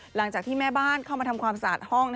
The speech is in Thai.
หลังจากที่แม่บ้านเข้ามาทำความสะอาดห้อง